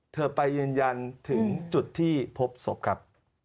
เธอไปยืนยันถึงจุดที่พบศพครับ